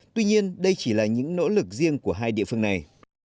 tuy nhiên đây chỉ là những nỗ lực riêng của hai địa phương này